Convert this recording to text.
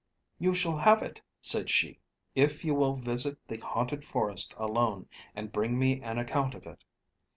'You shall have it,' said she, 'if you will visit the haunted forest alone, and bring me an account of it.'